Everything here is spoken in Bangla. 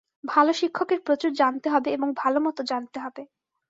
ভাল শিক্ষকের প্রচুর জানতে হবে এবং ভালমতো জানতে হবে।